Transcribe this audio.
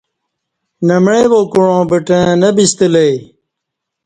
نہ معی وا کُعاں بٹں نہ بِستہ لہ ای